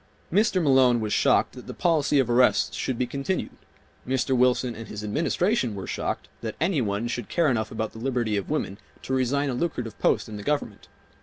Mr. Malone was shocked that the policy of arrests should be continued. Mr. Wilson and his Administration were shocked that any one should care enough about the liberty of women to resign a lucrative post in the Government.